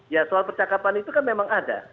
ya soal percakapan itu kan memang ada